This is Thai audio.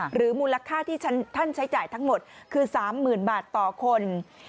หรือมูลค่าที่ท่านใช้จ่ายทั้งหมดคือ๓๐๐๐บาทต่อคน